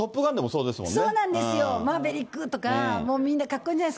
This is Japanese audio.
そうなんですよ、マーヴェリックとか、もうみんな、かっこい